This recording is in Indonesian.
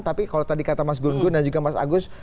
tapi kalau tadi kata mas gun gun dan juga mas agus